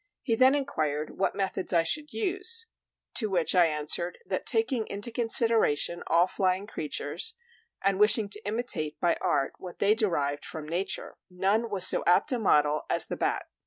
He then inquired what methods I should use; to which I answered that, taking into consideration all flying creatures, and wishing to imitate by art what they derived from nature, none was so apt a model as the bat.